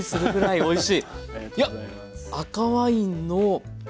おいしい。